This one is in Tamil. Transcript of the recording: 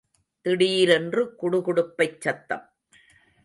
திடீரென்று குடுகுடுப்பைச் சத்தம்.